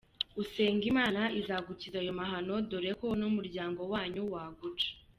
usenge imana izagukiza ayo mahano doreko numuryango wanyu waguca.